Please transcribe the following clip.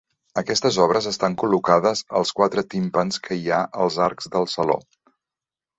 Aquestes obres estan col·locades als quatre timpans que hi ha als arcs del saló.